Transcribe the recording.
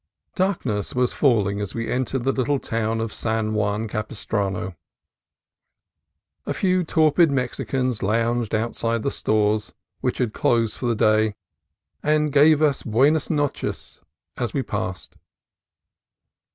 Darkness was falling as we entered the little town of San Juan Capistrano. A few torpid Mexicans lounged outside the stores, which had closed for the day, and gave us Buenas noches as we passed.